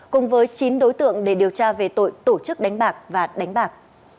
cùng với chín đối tượng để điều tra về tội tổ chức đánh bạc và đánh bạc